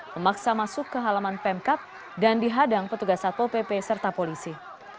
memaksa masuk ke halaman pemkap dan dihadang petugas satpol pp serta polisi